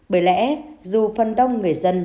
bởi lẽ dù phần đông người dân